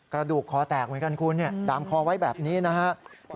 กระดูกคอแตกเหมือนกันคุณดามคอไว้แบบนี้นะครับ